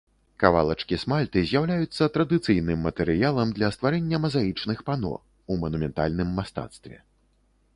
Кавалачкі смальты з'яўляюцца традыцыйным матэрыялам для стварэння мазаічных пано, у манументальным мастацтве.